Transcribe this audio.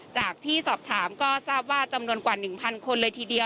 จากที่สอบถามก็ทราบว่าจำนวนกว่า๑๐๐คนเลยทีเดียว